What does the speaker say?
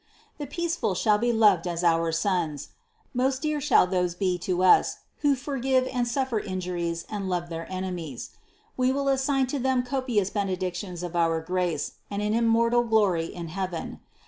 The peaceful shall be loved as our sons. Most dear shall those be to us, who forgive and suffer injuries and love their ene mies. We will assign to them copious benedictions of our grace and an immortal glory in heaven.